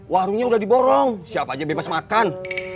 warungnya udah diborong siapa aja bebas makan